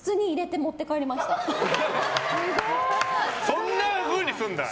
そんなふうにすんだ！